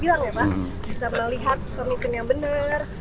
bisa melihat pemimpin yang benar